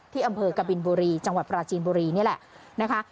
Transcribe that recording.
อำเภอกบินบุรีจังหวัดปราจีนบุรีนี่แหละนะคะ